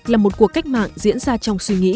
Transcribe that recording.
là một cuộc cách mạng diễn ra trong suy nghĩ